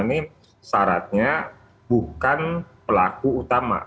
ini syaratnya bukan pelaku utama